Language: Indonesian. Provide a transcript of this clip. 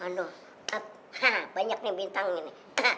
aduh ha ha banyak nih bintang ini